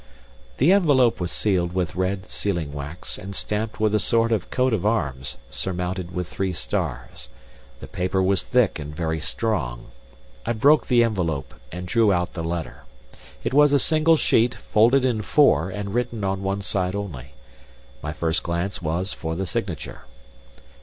The envelope was sealed with red sealing wax, and stamped with a sort of coat of arms, surmounted with three stars. The paper was thick and very strong. I broke the envelope and drew out a letter. It was a single sheet, folded in four, and written on one side only. My first glance was for the signature.